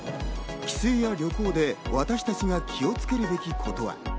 帰省や旅行で私たちが気をつけるべきことは？